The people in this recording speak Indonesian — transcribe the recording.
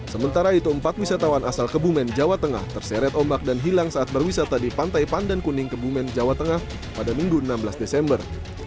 sementara itu empat wisatawan asal kebumen jawa tengah terseret ombak dan hilang saat berwisata di pantai pandan kuning kebumen jawa tengah pada minggu enam belas desember